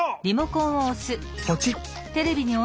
ポチッ！